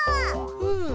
うん。